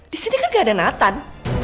di sini kan gak ada natan